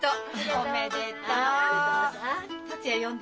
おめでとうさん。